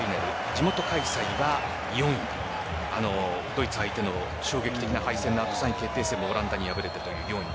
地元開催が４位ドイツ相手の衝撃的な敗戦があって３位決定戦オランダに敗れてという４位。